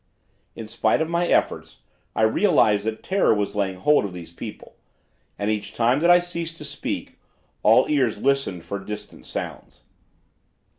"In spite of my efforts, I realized that terror was laying hold of these people, and each time that I ceased to speak, all ears listened for distant sounds.